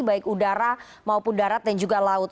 baik udara maupun darat dan juga laut